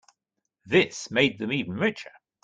This made them even richer.